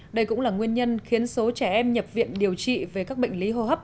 đây cũng là nguyên nhân khiến số trẻ em nhập viện điều trị về các bệnh lý hô hấp